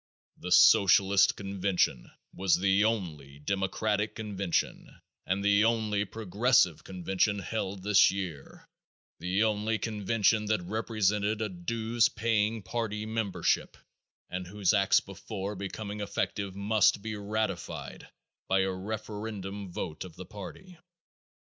The Socialist convention was the only democratic convention and the only progressive convention held this year; the only convention that represented a dues paying party membership and whose acts before becoming effective must be ratified by a referendum vote of the party.